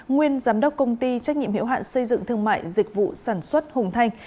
nguyên giám đốc công ty trách nhiệm hiệu hạn xây dựng thương mại dịch vụ sản xuất hùng thanh